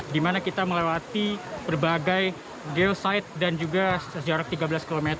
di mana kita melewati berbagai geosite dan juga jarak tiga belas km